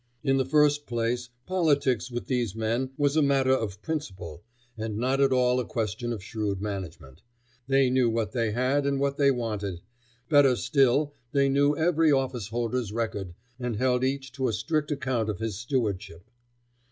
In the first place, politics with these men was a matter of principle, and not at all a question of shrewd management. They knew what they had and what they wanted. Better still they knew every officeholder's record, and held each to a strict account of his stewardship.